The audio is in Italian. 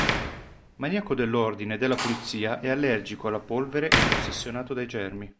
Maniaco dell'ordine e della pulizia, è allergico alla polvere e ossessionato dai germi.